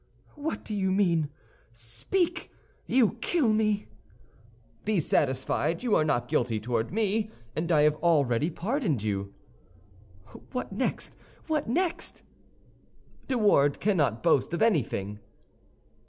"What do you mean? Speak! you kill me." "Be satisfied; you are not guilty toward me, and I have already pardoned you." "What next? what next?" "De Wardes cannot boast of anything."